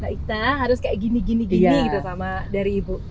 ikta harus kayak gini gini gitu sama dari ibu